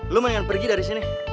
lu mainan pergi dari sini